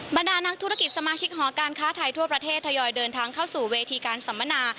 บรรดานักธุรกิจสมาชิกหอการค้าไทยทั่วประเทศทยอยเดินทางเข้าสู่เวทีการสัมมนา